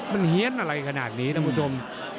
มันเหี้ยนอะไรขนาดนี้นะคุณผู้ชม